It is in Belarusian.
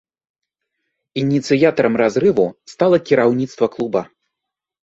Ініцыятарам разрыву стала кіраўніцтва клуба.